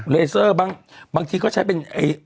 เลเซอร์บางทีก็ใช้เป็น